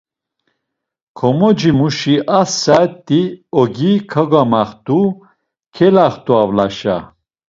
Komocimuşi a saet̆i ogi kogamaxt̆u kelaxt̆u avlaşa.